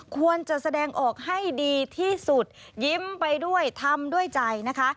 ควรจะแสดงออกให้ดีที่สุดยิ้มไปด้วยทำด้วยใจนะคะ